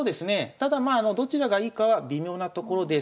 ただまあどちらがいいかは微妙なところです。